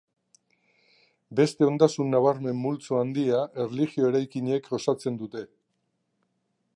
Beste ondasun nabarmen multzo handia erlijio-eraikinek osatzen dute.